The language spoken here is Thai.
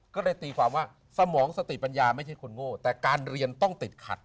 ก็เลยตีความว่าสมองสติปัญญาไม่ใช่คนโง่แต่การเรียนต้องติดขัด